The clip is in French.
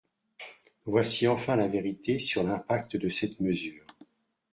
Voici enfin la vérité sur l’impact de cette mesure.